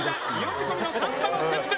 仕込みのサンバのステップ！